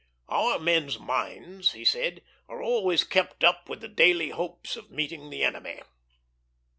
"Our men's minds," he said, "are always kept up with the daily hopes of meeting the enemy."